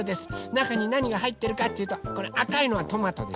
なかになにがはいってるかっていうとこのあかいのはトマトでしょ。